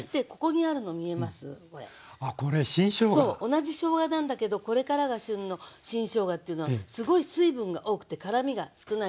同じしょうがなんだけどこれからが旬の新しょうがというのはすごい水分が多くて辛みが少ないのね。